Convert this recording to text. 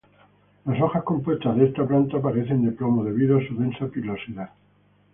Las hojas compuestas de esta planta parecen de plomo debido a su densa pilosidad.